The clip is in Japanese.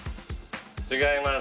違います。